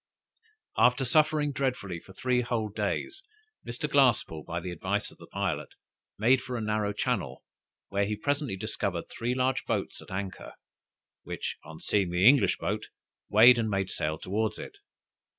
After suffering dreadfully for three whole days, Mr. Glasspoole, by the advice of the pilot, made for a narrow channel, where he presently discovered three large boats at anchor, which, on seeing the English boat, weighed and made sail towards it.